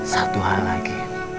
satu hal lagi